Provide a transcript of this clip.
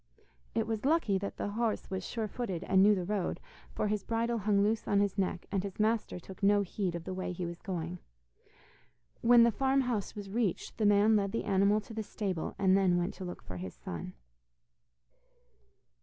It was lucky that the horse was sure footed and knew the road, for his bridle hung loose on his neck, and his master took no heed of the way he was going. When the farm house was reached, the man led the animal to the stable, and then went to look for his son.